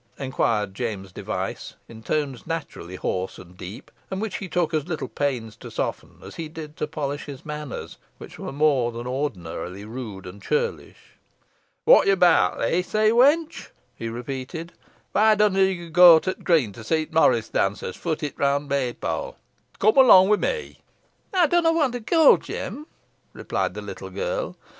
inquired James Device, in tones naturally hoarse and deep, and which he took as little pains to soften, as he did to polish his manners, which were more than ordinarily rude and churlish. "Whot are ye abowt, ey sey, wench?" he repeated, "Why dunna ye go to t' green to see the morris dancers foot it round t' May pow? Cum along wi' me." "Ey dunna want to go, Jem," replied the little girl.